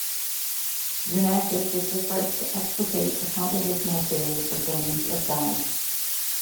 Xenakis was the first to explicate a compositional theory for grains of sound.